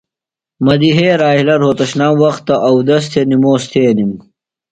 مدیحئے راحلہ روھتشنام وختہ اودس تھےۡ نِموس تھینِم۔